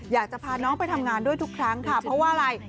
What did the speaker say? อยากจะพาน้องไปทำงานด้วยทุกครั้งค่ะเพราะว่าอะไร